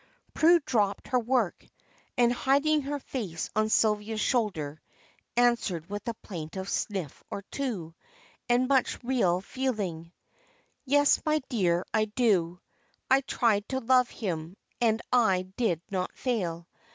Prue dropped her work, and hiding her face on Sylvia's shoulder, answered with a plaintive sniff or two, and much real feeling "Yes, my dear, I do. I tried to love him, and I did not fail.